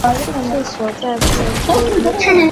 治所在故归依城。